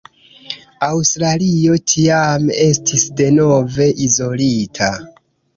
Aŭstralio tiam estis denove izolita.